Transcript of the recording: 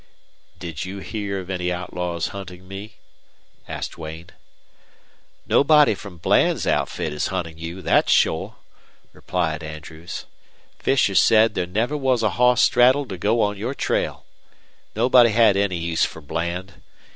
"Did you hear of any outlaws hunting me?" asked Duane. "Nobody from Bland's outfit is huntin' you, thet's shore," replied Andrews. "Fisher said there never was a hoss straddled to go on your trail. Nobody had any use for Bland.